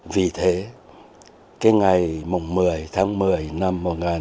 vì thế cái ngày mùng một mươi tháng một mươi năm một nghìn chín trăm năm mươi bốn